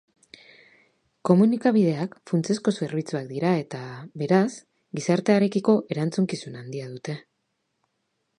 Komunikabideak funtsezko zerbitzua dira eta, beraz, gizartearekiko erantzukizun handia dute.